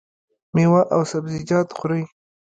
میوه او سبزیجات خورئ؟